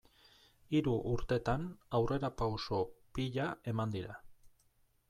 Hiru urtetan aurrerapauso pila eman dira.